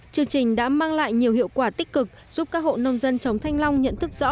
chương trình đã mang lại nhiều hiệu quả tích cực giúp các hộ nông dân chống thanh long nhận thức rõ